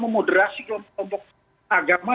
memoderasi kelompok kelompok agama